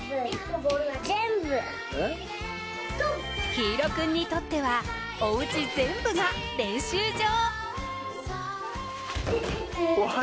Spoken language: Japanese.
緋彩君にとっては、おうち全部が練習場。